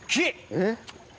えっ！